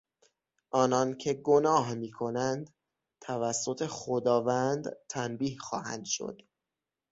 آنان که گناه میکنند توسط خداوند تنبیه خواهند شد.